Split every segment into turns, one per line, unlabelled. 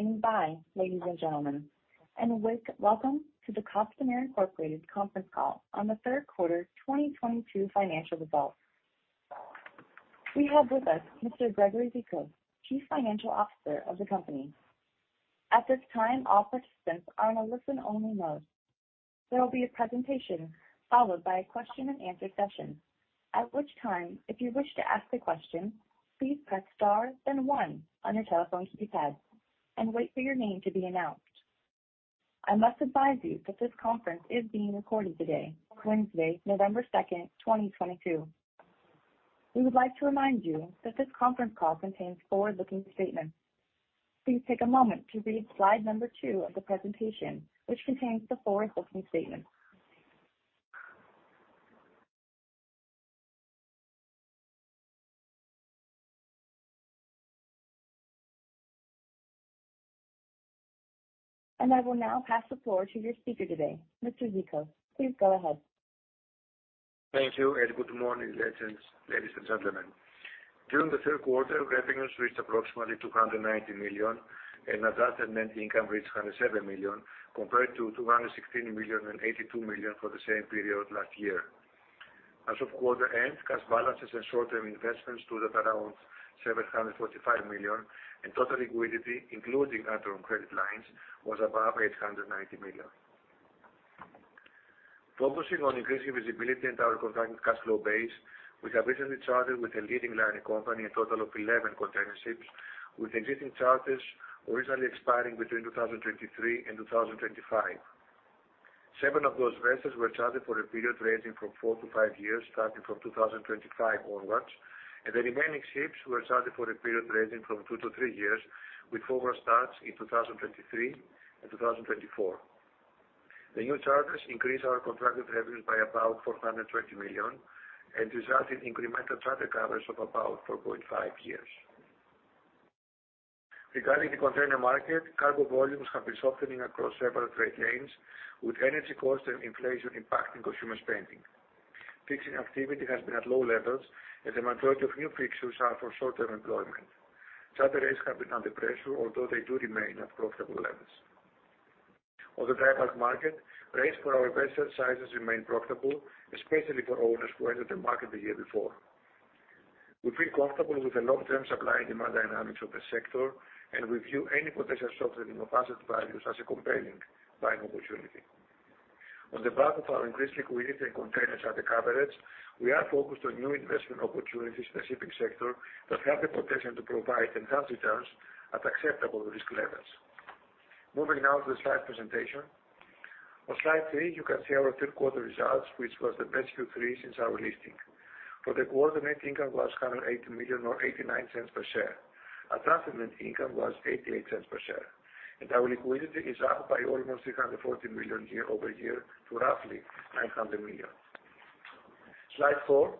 Thank you for standing by ladies and gentlemen, and welcome to the Costamare Inc conference call on the third quarter 2022 financial results. We have with us Mr. Gregory Zikos, Chief Financial Officer of the company. At this time, all participants are on a listen only mode. There will be a presentation followed by a question and answer session, at which time if you wish to ask a question, please press star then one on your telephone keypad and wait for your name to be announced. I must advise you that this conference is being recorded today, Wednesday, November 2, 2022. We would like to remind you that this conference call contains forward-looking statements. Please take a moment to read slide number two of the presentation, which contains the forward-looking statement. I will now pass the floor to your speaker today, Mr. Zikos, please go ahead.
Thank you, and good morning, ladies and gentlemen. During the third quarter, revenues reached approximately $290 million and adjusted net income reached a hundred and seven million, compared to $216 million and $82 million for the same period last year. As of quarter end, cash balances and short-term investments stood at around $745 million, and total liquidity, including add-on credit lines, was above $890 million. Focusing on increasing visibility into our contracted cash flow base, we have recently chartered with a leading liner company, a total of 11 container ships with existing charters originally expiring between 2023 and 2025. Seven of those vessels were chartered for a period ranging from 4-5 years, starting from 2025 onwards, and the remaining ships were chartered for a period ranging from 2-3 years, with former starts in 2023 and 2024. The new charters increase our contracted revenues by about $420 million and result in incremental charter covers of about 4.5 years. Regarding the container market, cargo volumes have been softening across several trade lanes with energy costs and inflation impacting consumer spending. Fixing activity has been at low levels, and the majority of new fixtures are for short-term employment. Charter rates have been under pressure, although they do remain at profitable levels. On the dry bulk market, rates for our vessel sizes remain profitable, especially for owners who entered the market the year before. We feel comfortable with the long-term supply and demand dynamics of the sector and review any potential softening of asset values as a compelling buying opportunity. On the back of our increased liquidity and container charter coverage, we are focused on new investment opportunities in a specific sector that have the potential to provide enhanced returns at acceptable risk levels. Moving now to the slide presentation. On slide three, you can see our third quarter results, which was the best Q3 since our listing. For the quarter, net income was $180 million, or $0.89 per share. Adjusted net income was $0.88 per share, and our liquidity is up by almost $340 million year-over-year to roughly $900 million. Slide four.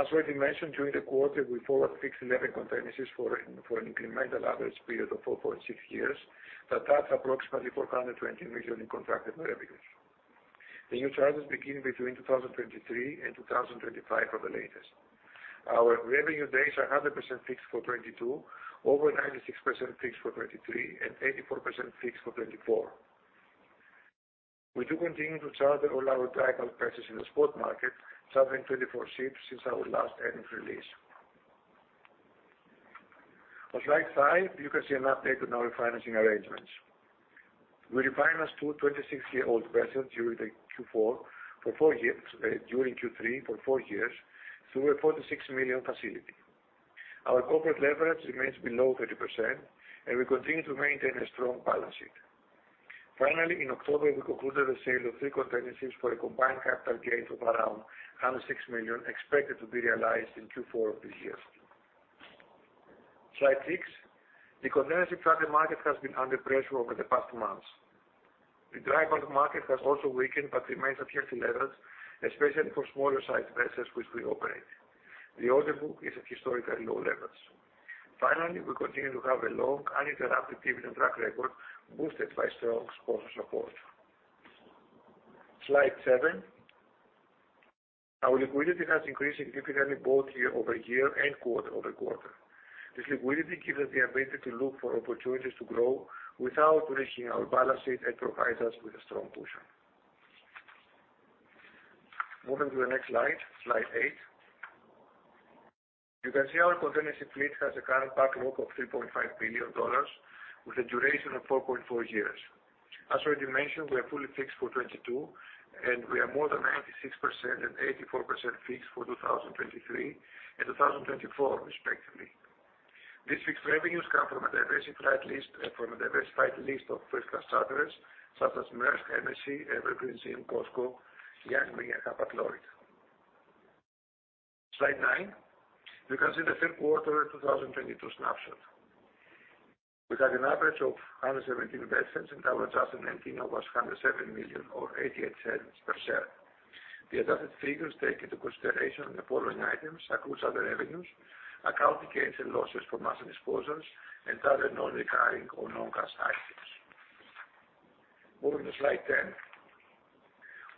As already mentioned, during the quarter we forward-fixed 11 container ships for an incremental average period of 4.6 years that adds approximately $420 million in contracted revenues. The new charters begin between 2023 and 2025 at the latest. Our revenue days are 100% fixed for 2022, over 96% fixed for 2023 and 84% fixed for 2024. We do continue to charter all our dry bulk purchases in the spot market, chartering 24 ships since our last earnings release. On slide five, you can see an update on our financing arrangements. We refinanced two 26-year-old vessels during Q3 for four years through a $46 million facility. Our corporate leverage remains below 30%, and we continue to maintain a strong balance sheet. Finally, in October, we concluded the sale of three container ships for a combined capital gain of around $106 million expected to be realized in Q4 of this year. Slide six. The container ship charter market has been under pressure over the past months. The dry bulk market has also weakened but remains at healthy levels, especially for smaller sized vessels which we operate. The order book is at historically low levels. Finally, we continue to have a long uninterrupted dividend track record boosted by strong sponsor support. Slide seven. Our liquidity has increased significantly both year-over-year and quarter-over-quarter. This liquidity gives us the ability to look for opportunities to grow without breaching our balance sheet and provides us with a strong cushion. Moving to the next slide, Slide eight. You can see our container ship fleet has a current backlog of $3.5 billion with a duration of 4.4 years. As already mentioned, we are fully fixed for 2022 and we are more than 96% and 84% fixed for 2023 and 2024 respectively. These fixed revenues come from a diversified list of first class charterers such as Maersk, MSC, Evergreen, COSCO, Yang Ming, and Hapag-Lloyd. Slide nine. You can see the third quarter 2022 snapshot. We had an average of 117 vessels, and our adjusted net income was $107 million or $0.88 per share. The adjusted figures take into consideration the following items: accrued other revenues, accounting gains and losses from asset disposals, and other non-recurring or non-cash items. Moving to slide ten.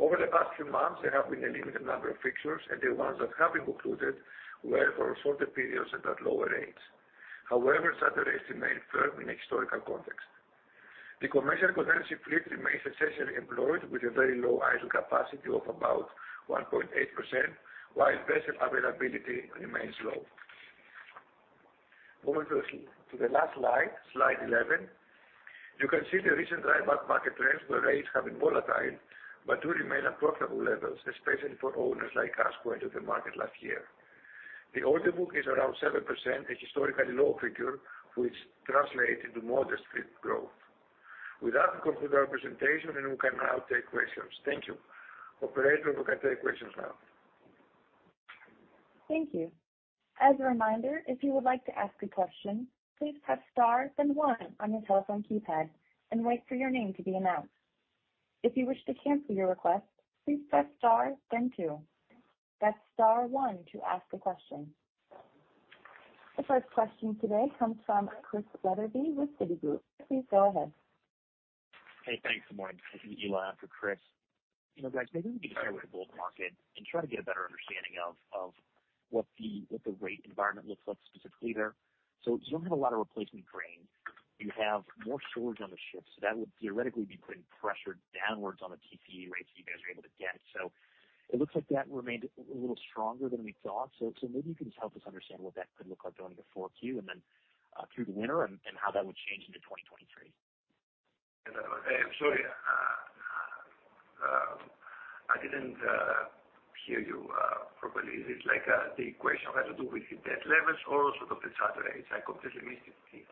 Over the past few months, there have been a limited number of fixtures, and the ones that have been concluded were for shorter periods and at lower rates. However, charter rates remain firm in a historical context. The commercial container fleet remains essentially employed with a very low idle capacity of about 1.8%, while vessel availability remains low. Moving to the last slide 11. You can see the recent dry bulk market trends, where rates have been volatile but do remain at profitable levels, especially for owners like us who entered the market last year. The order book is around 7%, a historically low figure which translates into modest fleet growth. With that, we conclude our presentation, and we can now take questions. Thank you. Operator, we can take questions now.
Thank you. As a reminder, if you would like to ask a question, please press star then one on your telephone keypad and wait for your name to be announced. If you wish to cancel your request, please press star then two. Press star one to ask a question. The first question today comes from Chris Wetherbee with Citigroup. Please go ahead.
Hey, thanks. Good morning. This is Eli after Chris. You know, guys, maybe we can start with the bulk market and try to get a better understanding of what the rate environment looks like specifically there. You don't have a lot of replacement grain. You have more storage on the ships, so that would theoretically be putting pressure downwards on the TCE rates you guys are able to get. It looks like that remained a little stronger than we thought. Maybe you can just help us understand what that could look like going into Q4 and then through the winter and how that would change into 2023.
I'm sorry, I didn't hear you properly. Is it like, the question has to do with the debt levels or sort of the charter rates? I completely missed it.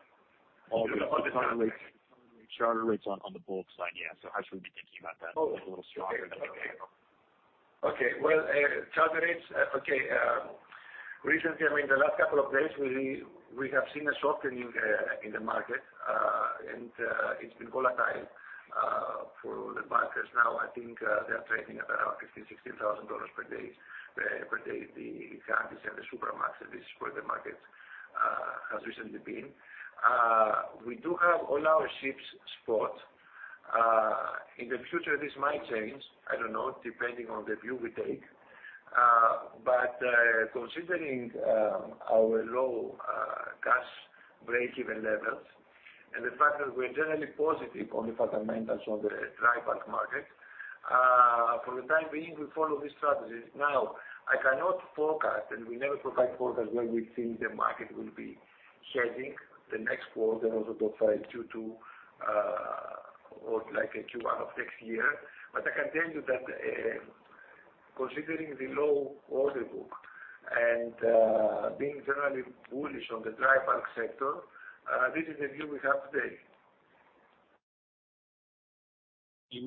Charter rates on the bulk side, yeah. How should we be thinking about that? A little stronger than
Well, charter rates. Recently, I mean, the last couple of days, we have seen a softening in the market, and it's been volatile for the markets now. I think they are trading at around $15,000-$16,000 per day, the Handysize and the Supramax. This is where the market has recently been. We do have all our ships spot. In the future, this might change, I don't know, depending on the view we take. Considering our low cash break-even levels and the fact that we're generally positive on the fundamentals of the dry bulk market, for the time being, we follow these strategies. Now, I cannot forecast, and we never provide forecast where we think the market will be heading the next quarter or the profile Q2, or like a Q1 of next year. I can tell you that, considering the low order book and, being generally bullish on the dry bulk sector, this is the view we have today.
When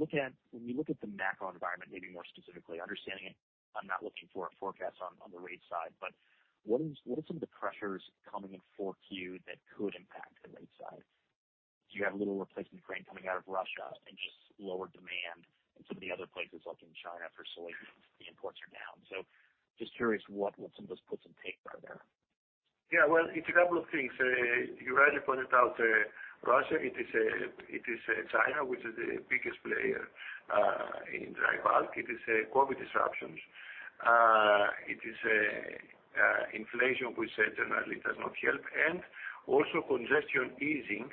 you look at the macro environment, maybe more specifically understanding it, I'm not looking for a forecast on the rate side, but what are some of the pressures coming in Q4 that could impact the rate side? Do you have a little replacement grain coming out of Russia and just lower demand in some of the other places like in China for soybeans, the imports are down. Just curious what some of those puts and takes are there.
Yeah, well, it's a couple of things. You already pointed out Russia. It is China, which is the biggest player in dry bulk. It is COVID disruptions. It is inflation, which generally does not help. Also congestion easing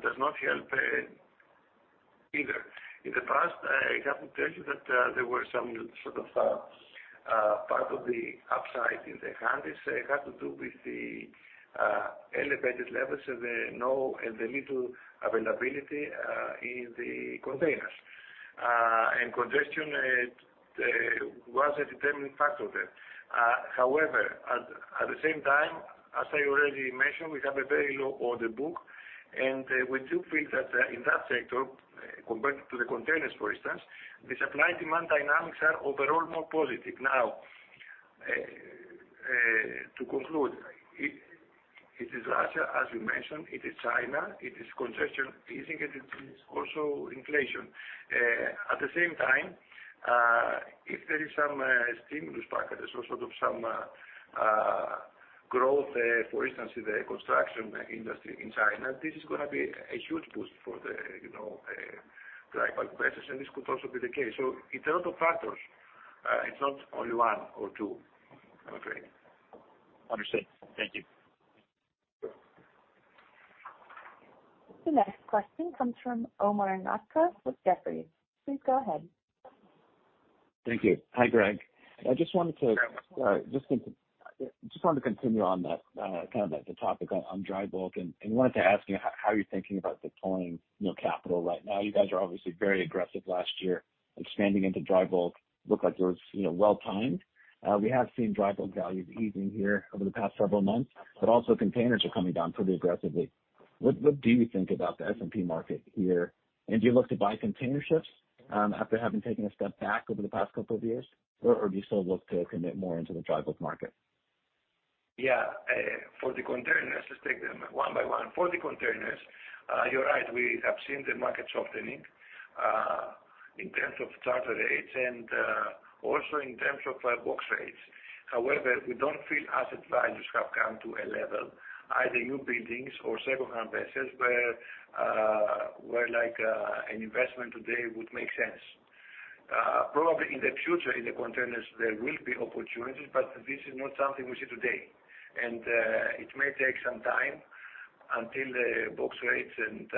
does not help either. In the past, I have to tell you that there were some sort of part of the upside in the Handysize had to do with the elevated levels of the no and the little availability in the containers and congestion. It was a determining factor there. However, at the same time, as I already mentioned, we have a very low order book, and we do feel that in that sector, compared to the containers, for instance, the supply-demand dynamics are overall more positive. Now, to conclude, it is Russia, as you mentioned, it is China, it is congestion easing, and it is also inflation. At the same time, if there is some stimulus packages or sort of some growth, for instance, in the construction industry in China, this is gonna be a huge boost for the, you know, dry bulk business, and this could also be the case. It's a lot of factors. It's not only one or two. Okay.
Understand. Thank you.
The next question comes from Omar Nokta with Jefferies. Please go ahead.
Thank you. Hi, Greg. I just wanted to continue on that kind of the topic on dry bulk, and wanted to ask you how you're thinking about deploying, you know, capital right now. You guys are obviously very aggressive last year, expanding into dry bulk looked like it was, you know, well timed. We have seen dry bulk values easing here over the past several months, but also containers are coming down pretty aggressively. What do you think about the S&P market here? And do you look to buy container ships after having taken a step back over the past couple of years? Or do you still look to commit more into the dry bulk market?
Yeah. For the containers, let's take them one by one. For the containers, you're right, we have seen the market softening. In terms of charter rates and also in terms of our box rates. However, we don't feel asset values have come to a level, either new buildings or secondhand vessels where like an investment today would make sense. Probably in the future in the containers there will be opportunities, but this is not something we see today. It may take some time until the box rates and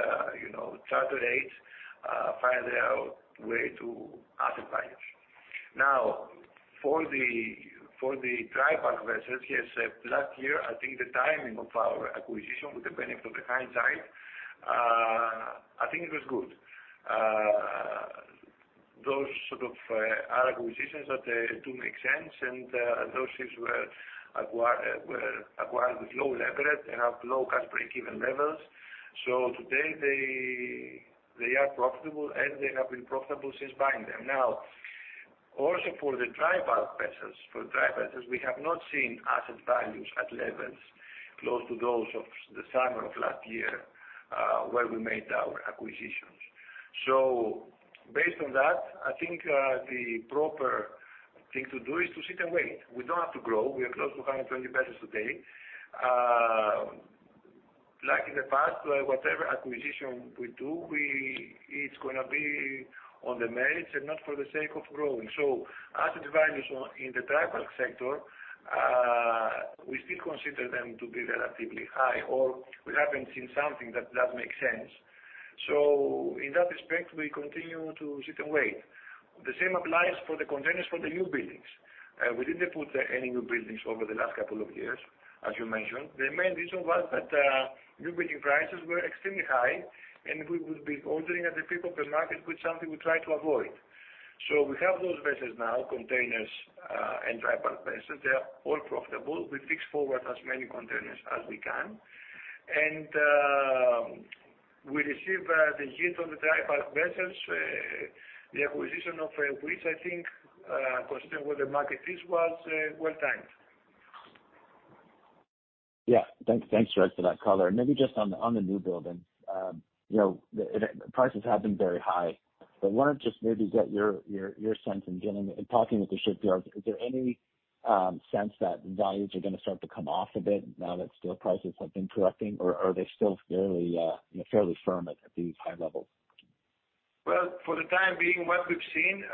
you know, charter rates find their way to asset values. Now, for the dry bulk vessels, yes, last year, I think the timing of our acquisition with the benefit of hindsight, I think it was good. Those sort of are acquisitions that do make sense, and those ships were acquired with low leverage and have low cost break-even levels. Today they are profitable and they have been profitable since buying them. Now, also for the dry bulk vessels, for dry vessels we have not seen asset values at levels close to those of the summer of last year, where we made our acquisitions. Based on that, I think the proper thing to do is to sit and wait. We don't have to grow. We are close to 120 vessels today. Like in the past, whatever acquisition we do, it's gonna be on the merits and not for the sake of growing. Asset values on, in the dry bulk sector, we still consider them to be relatively high or we haven't seen something that makes sense. In that respect, we continue to sit and wait. The same applies for the containers for the new buildings. We didn't put any new buildings over the last couple of years, as you mentioned. The main reason was that new building prices were extremely high, and we would be ordering at the peak of the market, which something we try to avoid. We have those vessels now, containers, and dry bulk vessels, they are all profitable. We fix forward as many containers as we can. We receive the yield on the dry bulk vessels, the acquisition of which I think, considering where the market is, was well timed.
Yeah. Thanks, Greg, for that color. Maybe just on the newbuilding, you know, prices have been very high, but wanted just maybe get your sense in talking with the shipyards, is there any sense that values are gonna start to come off a bit now that steel prices have been correcting, or are they still fairly, you know, fairly firm at these high levels?
Well, for the time being, what we've seen,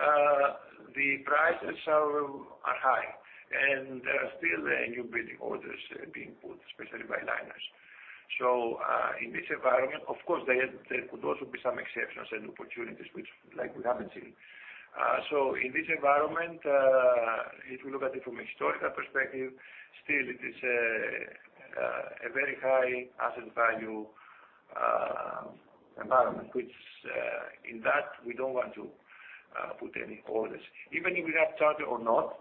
the prices are high and there are still new building orders being put, especially by liners. In this environment of course there could also be some exceptions and opportunities which like we haven't seen. In this environment, if you look at it from a historical perspective, still it is a very high asset value environment which in that we don't want to put any orders. Even if we have charter or not,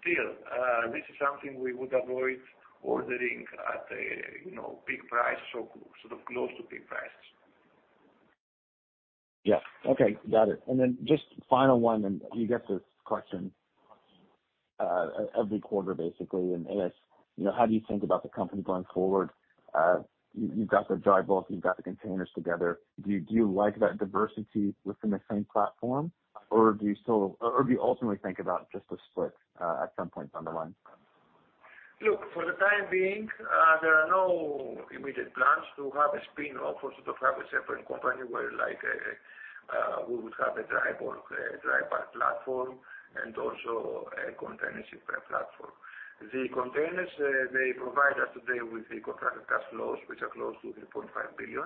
still, this is something we would avoid ordering at a, you know, peak price or sort of close to peak price.
Yeah. Okay. Got it. Just final one, and you get this question every quarter basically, and it's, you know, how do you think about the company going forward? You've got the dry bulk, you've got the containers together. Do you like that diversity within the same platform or do you ultimately think about just a split at some point down the line?
Look, for the time being, there are no immediate plans to have a spin-off or sort of have a separate company where like, we would have a dry bulk platform and also a container ship platform. The containers, they provide us today with the contracted cash flows which are close to $3.5 billion.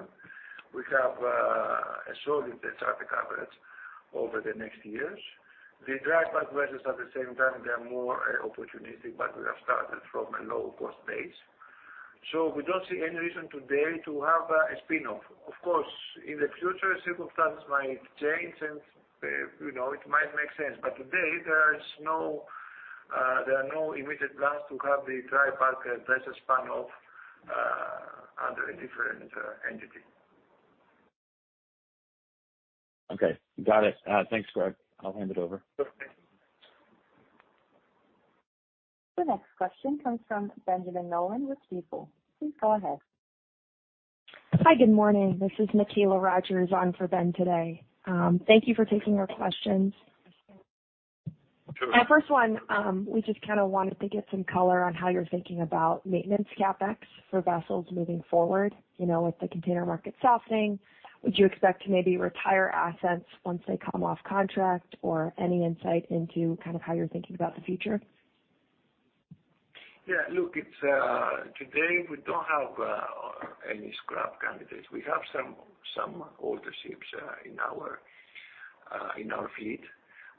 We have a solid charter coverage over the next years. The dry bulk vessels at the same time, they are more opportunistic, but we have started from a low cost base. We don't see any reason today to have a spin-off. Of course, in the future, circumstances might change and, you know, it might make sense. But today there are no immediate plans to have the dry bulk vessels spun off under a different entity.
Okay. Got it. Thanks, Greg. I'll hand it over.
Okay.
The next question comes from Benjamin Nolan with Stifel. Please go ahead.
Hi. Good morning. This is Mikaela Rogers on for Ben today. Thank you for taking our questions.
Go ahead.
Our first one, we just kinda wanted to get some color on how you're thinking about maintenance CapEx for vessels moving forward, you know, with the container market softening. Would you expect to maybe retire assets once they come off contract or any insight into kind of how you're thinking about the future?
Yeah. Look, today we don't have any scrap candidates. We have some older ships in our fleet.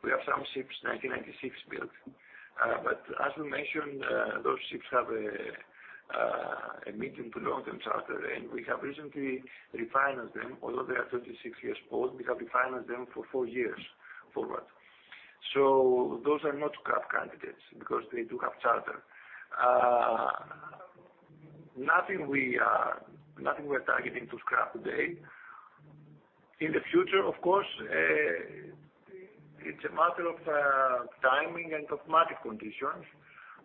We have some ships 1996 built. But as we mentioned, those ships have a medium to long-term charter, and we have recently refinanced them. Although they are 36 years old, we have refinanced them for four years forward. Those are not scrap candidates because they do have charter. Nothing we are targeting to scrap today. In the future, of course, it's a matter of timing and of market conditions.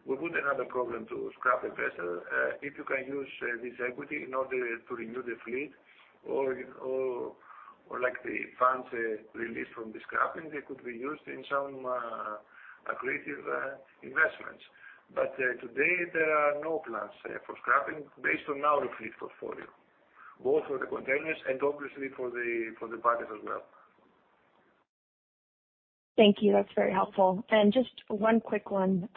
We wouldn't have a problem to scrap a vessel if you can use this equity in order to renew the fleet or like the funds released from the scrapping, they could be used in some accretive investments. Today, there are no plans for scrapping based on our fleet portfolio, both for the containers and obviously for the partners as well.
Thank you. That's very helpful. Just one quick one.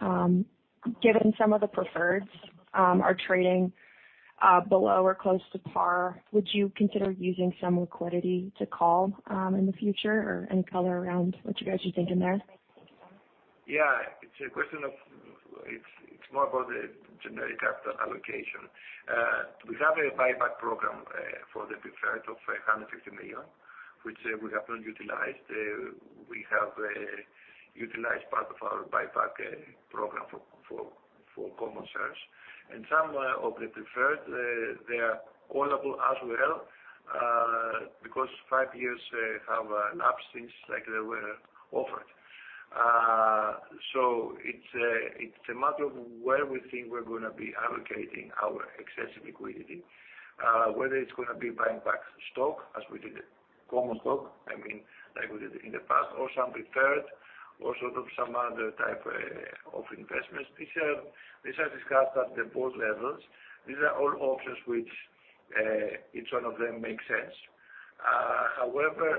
Given some of the preferreds are trading below or close to par, would you consider using some liquidity to call in the future or any color around what you guys are thinking there?
Yeah. It's more about the generic capital allocation. We have a buyback program for the preferred of $150 million, which we have not utilized. We have utilized part of our buyback program for common shares and some of the preferred. They are callable as well because five years have lapsed since like they were offered. It's a matter of where we think we're gonna be allocating our excessive liquidity, whether it's gonna be buying back stock as we did common stock, I mean, like we did in the past or some preferred or sort of some other type of investments. These are discussed at the board levels. These are all options which each one of them makes sense. However,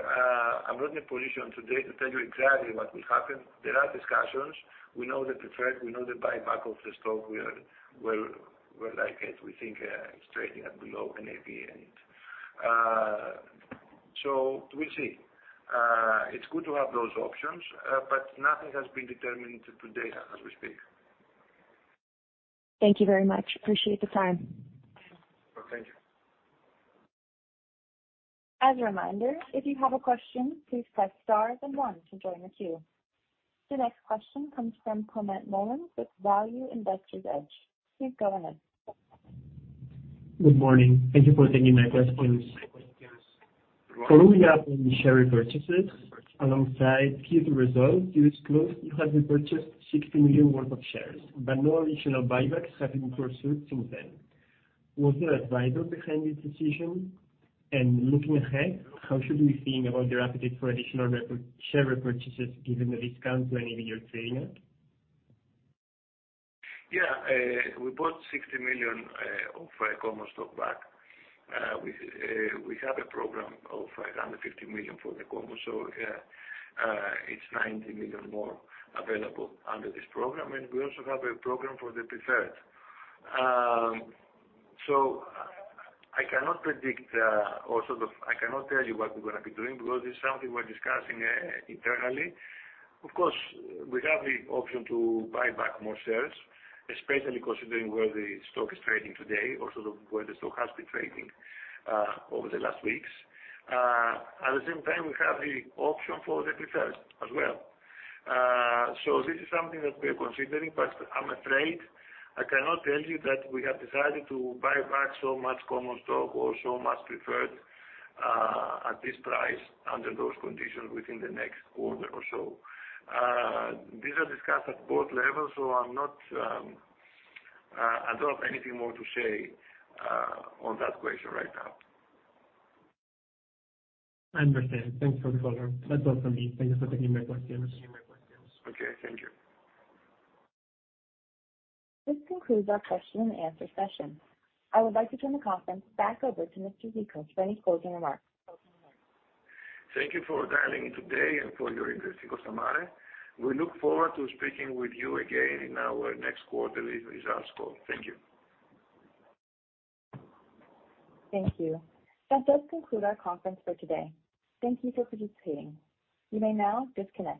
I'm not in a position today to tell you exactly what will happen. There are discussions. We know the preferred. We know the buyback of the stock. We'll, we like it. We think it's trading at below NAV, and so we'll see. It's good to have those options, but nothing has been determined to date as we speak.
Thank you very much. Appreciate the time.
Thank you.
As a reminder, if you have a question, please press star then one to join the queue. The next question comes from Climent Molins with Value Investor's Edge. Please go ahead.
Good morning. Thank you for taking my questions. Following up on the share repurchases alongside Q2 results, Q2 is closed, you have repurchased $60 million worth of shares, but no additional buybacks have been pursued since then. Was there advice behind this decision? Looking ahead, how should we think about your appetite for additional share repurchases given the discount to NAV you're trading at?
Yeah. We bought $60 million of common stock back. We have a program of $150 million for the common. It's $90 million more available under this program, and we also have a program for the preferred. I cannot predict, or sort of I cannot tell you what we're gonna be doing because it's something we're discussing internally. Of course, we have the option to buy back more shares, especially considering where the stock is trading today or sort of where the stock has been trading over the last weeks. At the same time, we have the option for the preferred as well. This is something that we're considering, but I'm afraid I cannot tell you that we have decided to buy back so much common stock or so much preferred, at this price under those conditions within the next quarter or so. These are discussed at board levels, so I'm not, I don't have anything more to say, on that question right now.
I understand. Thanks for the color. That's all for me. Thank you for taking my questions.
Okay. Thank you.
This concludes our question and answer session. I would like to turn the conference back over to Mr. Zikos for any closing remarks.
Thank you for dialing in today and for your interest in Costamare. We look forward to speaking with you again in our next quarterly results call. Thank you.
Thank you. That does conclude our conference for today. Thank you for participating. You may now disconnect.